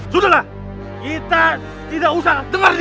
sudahlah kita tidak usah dengar